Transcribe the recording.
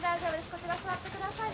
こちら座ってください。